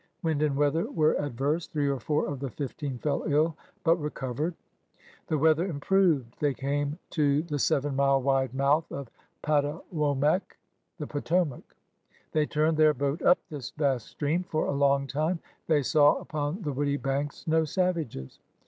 Wind and weather were adverse; three or four of the fifteen fell ill, but recovered. The weather improved; they came to the seven mile wide mouth of "Patawomeck" — the Potomac. They turned their boat up this vast stream. For a long time they saw upon the woody banks no savages.